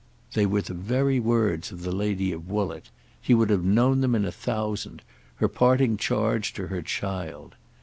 They were the very words of the lady of Woollett—he would have known them in a thousand; her parting charge to her child.